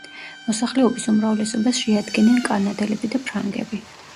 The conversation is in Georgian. მოსახლეობის უმრავლესობას შეადგენენ კანადელები და ფრანგები.